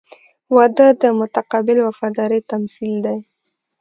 • واده د متقابل وفادارۍ تمثیل دی.